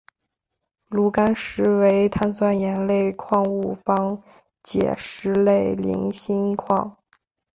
炉甘石为碳酸盐类矿物方解石族菱锌矿。